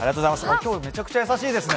今日、めちゃくちゃ優しいですね。